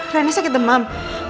rena sakit demam